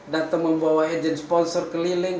datang membawa agent sponsor keliling